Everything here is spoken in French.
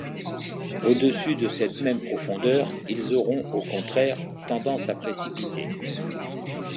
Au-dessus de cette même profondeur, ils auront, au contraire, tendance à précipiter.